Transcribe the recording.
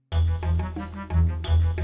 ya udah sekarang kita